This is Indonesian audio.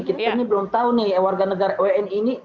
kita ini belum tahu nih warga negara wni ini